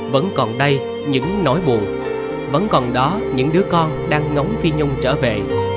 vẫn còn đây những nỗi buồn vẫn còn đó những đứa con đang ngóng phi nhung trở về